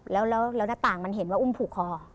แล้วหน้าต่างมันเห็นว่าอุ้มผูกคอ